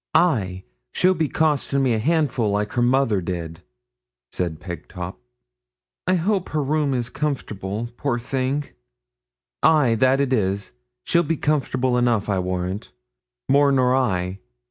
'Ay she'll be costin' me a handful, like her mother did,' said Pegtop. 'I hope her room is comfortable, poor thing.' 'Ay, that's it; she be comfortable enough, I warrant more nor I.